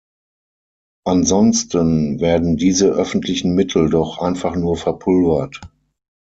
Ansonsten werden diese öffentlichen Mittel doch einfach nur verpulvert.